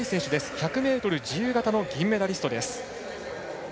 １００ｍ自由形の金メダリストです。